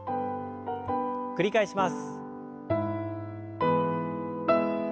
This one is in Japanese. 繰り返します。